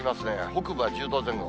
北部は１０度前後。